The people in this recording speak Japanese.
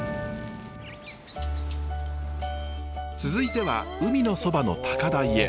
続いては海のそばの高台へ。